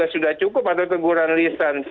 sudah cukup atau teguran lisan